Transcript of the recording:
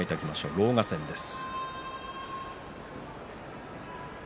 狼雅戦です。